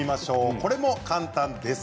これも簡単です。